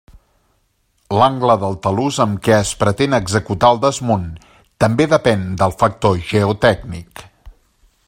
L'angle del talús amb què es pretén executar el desmunt també depèn del factor geotècnic.